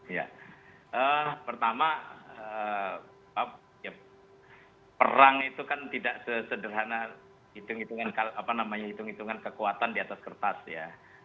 ya pertama perang itu kan tidak sederhana hitung hitungan kekuatan di atas kertas ya